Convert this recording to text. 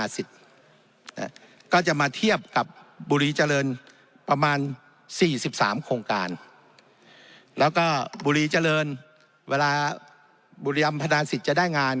สิบสามโครงการแล้วก็บุรีเจริญเวลาบุรีลำพนาศิษย์จะได้งาน